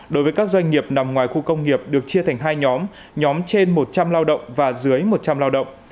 đối với các doanh nghiệp nằm ngoài khu công nghiệp được chia thành hai nhóm nhóm trên một trăm linh lao động và dưới một trăm linh lao động